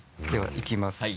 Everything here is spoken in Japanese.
ではいきます